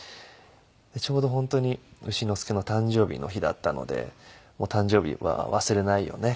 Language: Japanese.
ちょうど本当に丑之助の誕生日の日だったので誕生日は忘れないよね